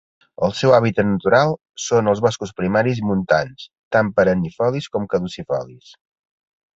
El seu hàbitat natural són els boscos primaris montans, tant perennifolis com caducifolis.